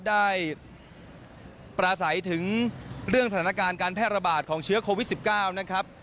ได้ปราศัยถึงเรื่องสถานการณ์การแพร่ระบาดของเชื้อโควิด๑๙นะครับ